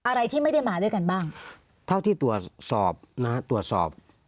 อะไรที่ไม่ได้มาด้วยกันบ้างเท่าที่ตรวจสอบนะฮะตรวจสอบ